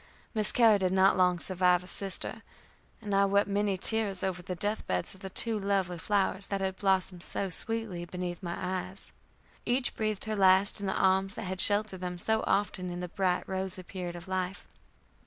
Miss Carrie did not long survive her sister, and I wept many tears over the death beds of the two lovely flowers that had blossomed so sweetly beneath my eyes. Each breathed her last in the arms that had sheltered them so often in the bright rosy period of life.